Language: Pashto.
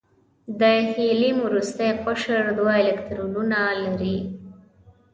د هیلیم وروستی قشر دوه الکترونونه لري.